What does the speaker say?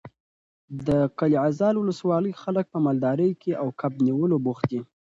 د قلعه زال ولسوالۍ خلک په مالدارۍ او کب نیولو بوخت دي.